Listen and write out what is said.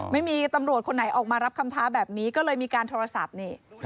ไม่มีตำรวจคนไหนออกมารับคำท้าแบบนี้ก็เลยมีการโทรศัพท์นี่